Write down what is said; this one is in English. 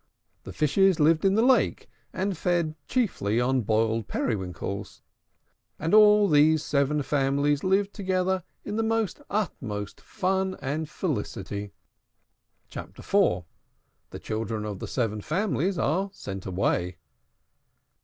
The Fishes lived in the lake, and fed chiefly on boiled periwinkles. And all these seven families lived together in the utmost fun and felicity. CHAPTER IV. THE CHILDREN OF THE SEVEN FAMILIES ARE SENT AWAY.